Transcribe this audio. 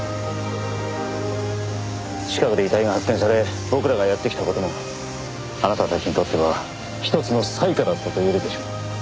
近くで遺体が発見され僕らがやって来た事もあなたたちにとっては一つの災禍だったと言えるでしょう。